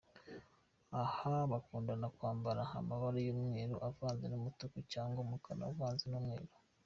Aha bakundaga kwambara amabara y’umweru uvanze n’umutuku cyangwa umukara uvanze n’umweru.